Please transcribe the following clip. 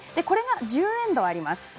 これが１０エンドあります。